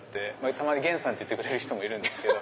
たまに源さん！って言ってくれる人もいるんですけど。